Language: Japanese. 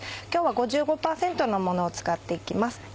今日は５５％のものを使って行きます。